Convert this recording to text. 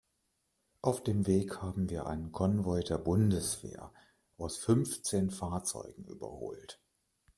Auf dem Weg haben wir einen Konvoi der Bundeswehr aus fünfzehn Fahrzeugen überholt.